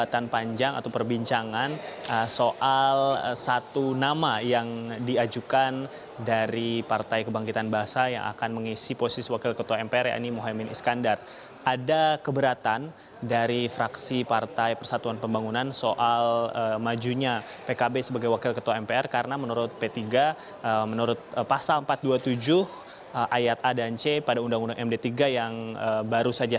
titi soeharto menjawab